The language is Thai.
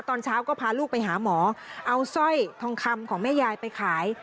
ตอนเช้าก็พาลูกไปหาหมอเอาสร้อยทองคำของแม่ยายไปขาย